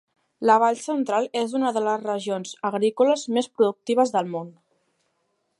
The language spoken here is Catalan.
La Vall Central és una de les regions agrícoles més productives del món.